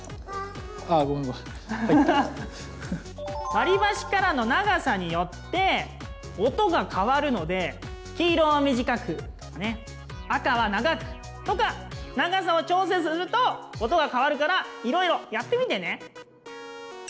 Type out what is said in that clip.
割り箸からの長さによって音が変わるので黄色は短く赤は長くとか長さを調整すると音が変わるからいろいろやってみてね。